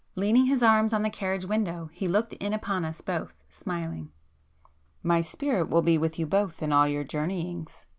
Leaning his arms on the carriage window, he looked in upon us both, smiling. "My spirit will be with you both in all your journeyings!"